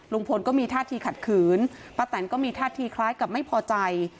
ลุงพลก็มีท่าทีขัดขืนป้าแตนก็มีท่าทีคล้ายกับไม่พอใจ